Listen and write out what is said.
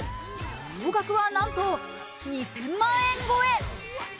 総額はなんと２０００万円超え。